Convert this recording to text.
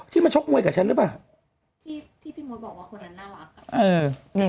ที่มาชกมวยกับฉันหรือเปล่า